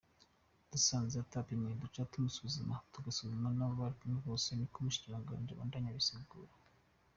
Dusanze atapimwe duca tumusuzuma tugasuzuma n'abo barikumwe bose', nikwo umushikiranganji abandanya asigura.